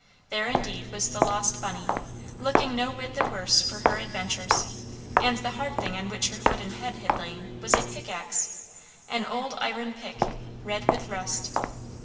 There, indeed, was the lost Bunny, looking no whit the worse for her adventures, and the hard thing on which her wooden head had lain was a pickaxe, an old iron pick, red with rust.